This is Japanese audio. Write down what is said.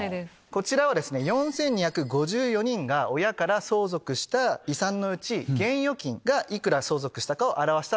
こちらは４２５４人が親から相続した遺産のうち現預金が幾ら相続したかを表したデータ。